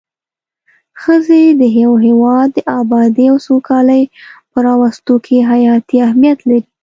ښځی د يو هيواد د ابادي او سوکالي په راوستو کي حياتي اهميت لري